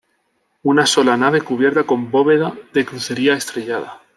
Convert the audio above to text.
Una sola nave cubierta con bóveda de crucería estrellada.